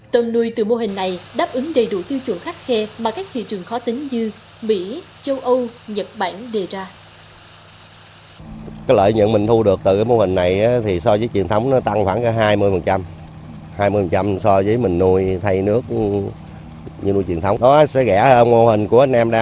tôm nuôi từ mô hình này đáp ứng đầy đủ tiêu chuẩn khắc khe mà các thị trường khó tính như mỹ châu âu nhật bản đề ra